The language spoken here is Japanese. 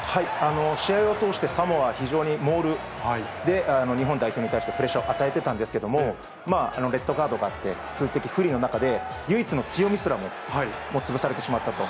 試合を通して、サモア、非常にモールで日本代表に対してプレッシャーを与えていたんですけど、レッドカードがあって、数的不利の中で、唯一の強みすらも潰されてしまったと。